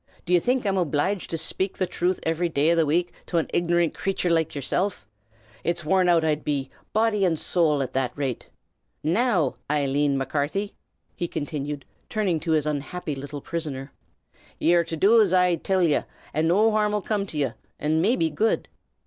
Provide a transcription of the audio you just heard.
Do ye think I'm obleeged to shpake the thruth ivery day in the week to an ignor'nt crathur like yersilf? It's worn out I'd be, body and sowl, at that rate. Now, Eileen Macarthy," he continued, turning to his unhappy little prisoner, "ye are to do as I till ye, an' no harrum'll coom to ye, an' maybe good.